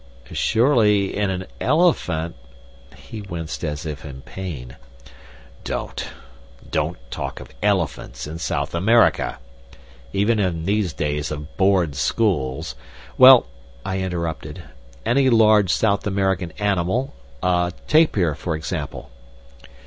"Surely in an elephant " He winced as if in pain. "Don't! Don't talk of elephants in South America. Even in these days of Board schools " "Well," I interrupted, "any large South American animal a tapir, for example."